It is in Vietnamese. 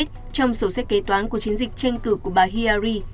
trong sổ sách kế toán của chiến dịch tranh cử của bà hiyari